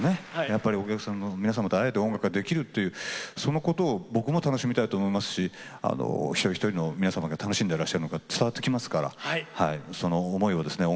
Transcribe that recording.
やっぱりお客さんの皆様と会えて音楽ができるっていうそのことを僕も楽しみたいと思いますし一人一人の皆様が楽しんでらっしゃるのが伝わってきますからその思いをですね